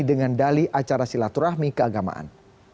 dengan dali acara silaturahmi keagamaan